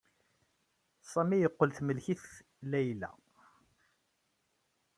Sami yeqqel temlek-it Layla.